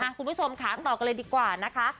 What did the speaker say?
อ่าคุณผู้ชมข้างต่อกันเลยดีกว่านะคะ